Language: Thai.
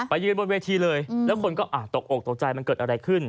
ยืนบนเวทีเลยแล้วคนก็ตกอกตกใจมันเกิดอะไรขึ้น